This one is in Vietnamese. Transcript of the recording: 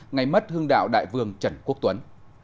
ngày mất hương đạo đại vương trần quốc tuấn